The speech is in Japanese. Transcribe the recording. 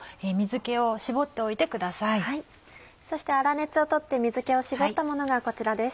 そして粗熱を取って水気を絞ったものがこちらです。